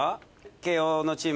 慶応のチーム。